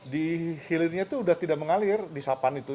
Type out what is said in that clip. dihilirnya itu sudah tidak mengalir di sapan itu